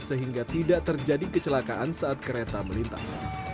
sehingga tidak terjadi kecelakaan saat kereta melintas